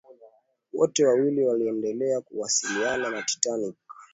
wote wawili waliendelea kuwasiliana na titanic